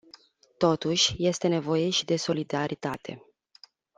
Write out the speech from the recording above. Totuși, este nevoie și de solidaritate.